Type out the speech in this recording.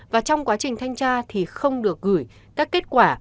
và trong quá trình thanh tra thì không được gửi các kết quả